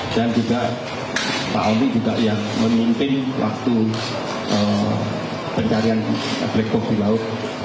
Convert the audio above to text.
dan juga pak omni juga yang memimpin waktu pencarian black hawk di laut